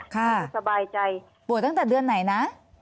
ค่ะบวชตั้งแต่เดือนไหนนะ